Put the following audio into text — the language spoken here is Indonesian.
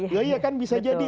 iya kan bisa jadi